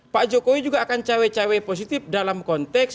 pak jokowi juga akan cewek cewek positif dalam konteks